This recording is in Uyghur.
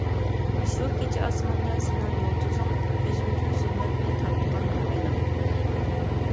شۇ كېچە ئاسماندا سېنىڭ يۇلتۇزۇڭ، كۆزۈمدىن زۇلمەتنى تارتقان ئاۋايلاپ.